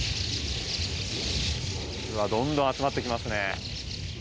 どんどん集まってきますね。